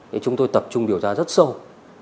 thì chúng tôi tập trung điều tra rất sâu